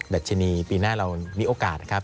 ดัชนีปีหน้าเรามีโอกาสนะครับ